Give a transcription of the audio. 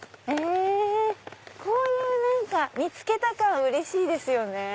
こういう見つけた感うれしいですよね。